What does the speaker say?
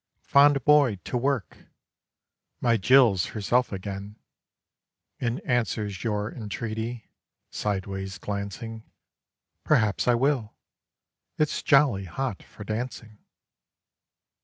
Fond boy, to work! My Jill's herself again, And answers your entreaty sideways glancing "Perhaps I will. It's jolly hot for dancing."